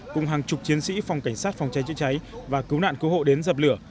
cùng hàng chục chiến sĩ phòng cảnh sát phòng cháy chữa cháy và cứu nạn cứu hộ đến dập lửa